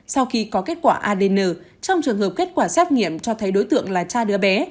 sau khi có kết quả adn trong trường hợp kết quả xét nghiệm cho thấy đối tượng là cha đứa bé